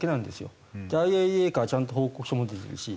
ＩＡＥＡからちゃんと報告書も出てるし。